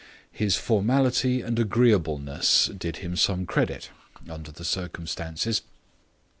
His formality and agreeableness did him some credit under the circumstances.